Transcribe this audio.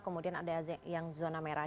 kemudian ada yang zona merah